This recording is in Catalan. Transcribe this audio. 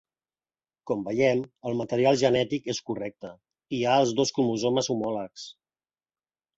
Com veiem el material genètic és correcte, hi ha els dos cromosomes homòlegs.